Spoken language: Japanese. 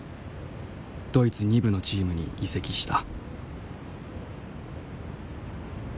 ドイツ２部のチームに移籍した。